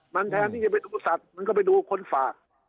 มันแทนที่จะไปดูสัตว์มันก็ไปดูคนฝาก